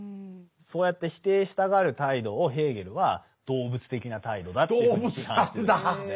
そうやって否定したがる態度をヘーゲルは動物的な態度だっていうふうに批判してるんですね。